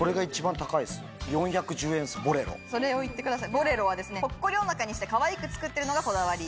ボレロはぽっこりお腹にしてかわいく作ってるのがこだわり。